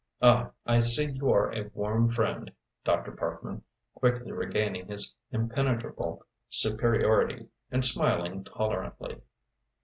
"Ah, I see you are a warm friend, Dr. Parkman," quickly regaining his impenetrable superiority, and smiling tolerantly.